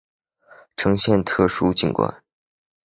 呈现特殊景观